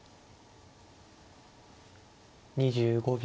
２５秒。